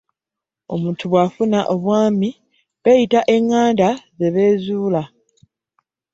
Omuntu bwafuna obwami nga beyita enganda ze bezuula .